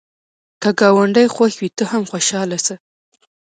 که ګاونډی خوښ وي، ته هم خوشحاله شه